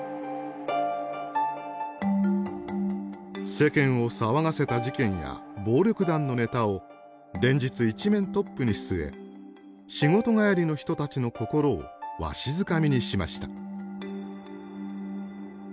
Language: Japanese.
世間を騒がせた事件や暴力団のネタを連日一面トップに据え仕事帰りの人たちの心をわしづかみにしました。